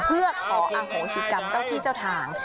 เพื่อขออโหสิกรรมเจ้าที่เจ้าทาง